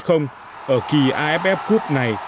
ở kỳ aff cup này